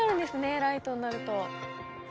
ライトになると。